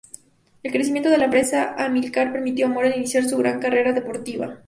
El crecimiento de la empresa Amilcar permitió a Morel iniciar su gran carrera deportiva.